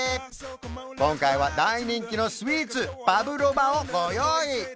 今回は大人気のスイーツパブロバをご用意！